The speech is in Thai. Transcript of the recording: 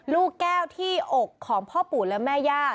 ลูกแก้วที่อกของพ่อปู่และแม่ย่า